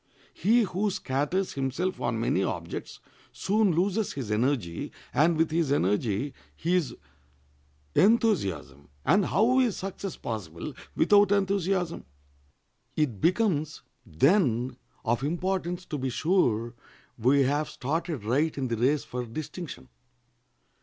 He who scatters himself on many objects soon loses his energy, and with his energy his enthusiasm—and how is success possible without enthusiasm? It becomes, then, of importance to be sure we have started right in the race for distinction.